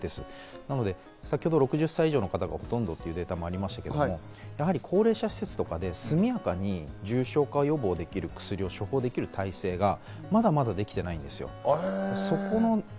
なので先ほど６０代以上の方がほとんどと言いましたが、高齢者施設とかで速やかに重症化予防できる薬を処方できる体制がまだまだできていないんですよ。